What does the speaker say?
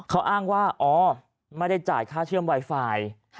เขาอ้างว่าอ๋อไม่ได้จ่ายค่าเชื่อมไวไฟ